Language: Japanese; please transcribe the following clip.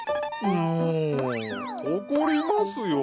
もう怒りますよ。